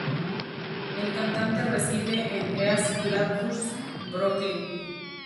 El cantante reside en East Flatbush, Brooklyn.